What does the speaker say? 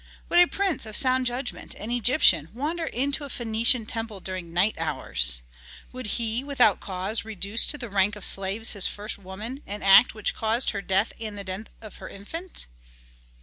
Would a prince of sound judgment, an Egyptian, wander into a Phœnician temple during night hours? Would he, without cause, reduce to the rank of slaves his first woman, an act which caused her death and the death of her infant?"